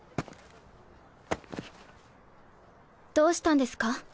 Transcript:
どうしたんですか？